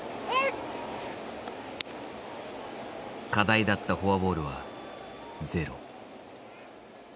課題だったフォアボールはゼロ。